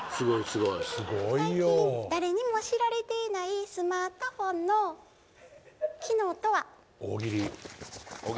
最近誰にも知られていないスマートフォンの機能とは？